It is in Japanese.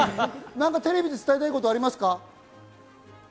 テレビで伝えたいことはありますか？